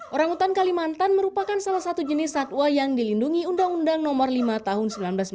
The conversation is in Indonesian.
orang utan kalimantan merupakan salah satu jenis satwa yang dilindungi undang undang nomor lima tahun seribu sembilan ratus sembilan puluh